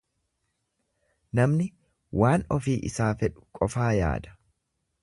Namni waan ofii isaa fedhu qofaa yaada.